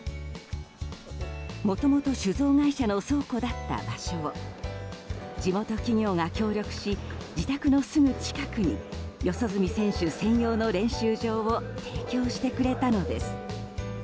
もともと酒造会社の倉庫だった場所を地元企業が協力し自宅のすぐ近くに四十住選手専用の練習場を提供してくれたのです。